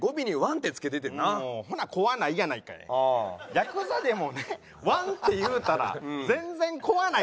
ヤクザでもね「ワン」って言うたら全然怖ない。